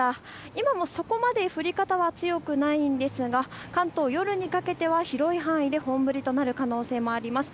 今もそこまで降り方は強くないんですが関東、夜にかけては広い範囲で本降りとなる可能性もあります。